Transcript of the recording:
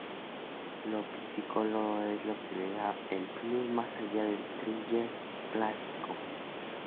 Lo psicológico es lo que le da el plus más allá del "thriller" clásico.